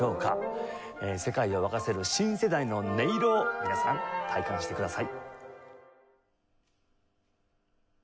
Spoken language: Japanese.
世界を沸かせる新世代の音色を皆さん体感してください。